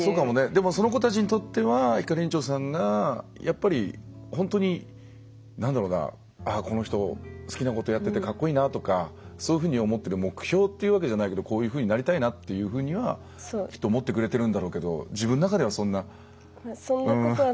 でも、その子たちにとってはひかりんちょさんが本当にあ、この人好きなことやっててかっこいいなとかそういうふうに思ってる目標ってわけじゃないけどこういうふうになりたいなっていうふうには、きっと思ってくれてるんだろうけど自分の中ではそんなことは。